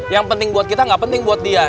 yang penting buat kita gak penting buat dia